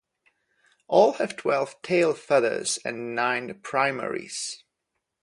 All have twelve tail feathers and nine primaries.